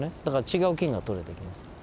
だから違う菌がとれてきます。